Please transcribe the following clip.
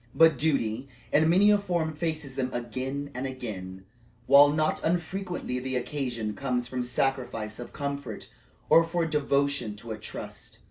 But duty in many a form faces them again and again, while not unfrequently the occasion comes for sacrifice of comfort or for devotion to a trust.